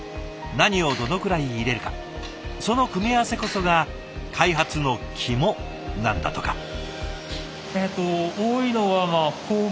何をどのくらい入れるかその組み合わせこそが開発の肝なんだとか。